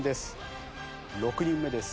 ６人目です。